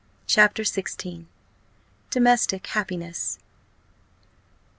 CHAPTER XVI. DOMESTIC HAPPINESS.